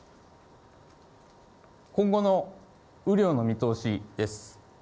今後の雨量の見通しです。